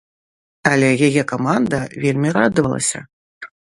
Але яе каманда вельмі радавалася.